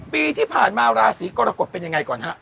ปีที่ผ่านมาราศีกรกฎเป็นยังไงก่อนฮะ